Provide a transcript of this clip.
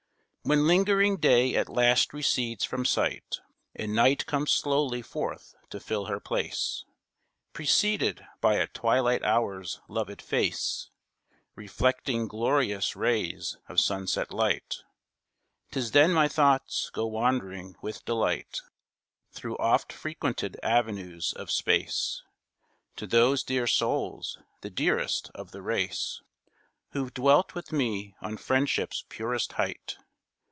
_ When lingering Day at last recedes from sight, And Night comes slowly forth to fill her place, Preceded by a twilight hour's loved face Reflecting glorious rays of sunset light, 'Tis then my thoughts go wandering with delight Through oft frequented avenues of space To those dear souls the dearest of the race Who've dwelt with me on friendship's purest height.